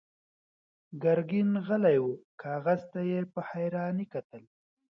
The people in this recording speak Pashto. ګرګين غلی و، کاغذ ته يې په حيرانۍ کتل.